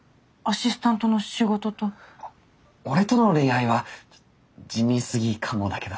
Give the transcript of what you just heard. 俺との恋愛は地味すぎかもだけど。